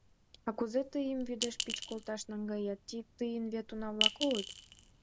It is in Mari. А кузе тыйым вӱдеш пич колташ наҥгает, тыйын вет уна-влак улыт?